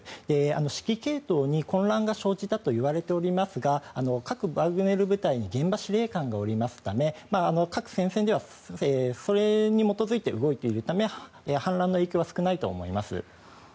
指揮系統に混乱が生じたといわれておりますが各ワグネル部隊に現場司令官がいますため各戦線ではそれに基づいて動いているため反乱の影響は少ないと思います。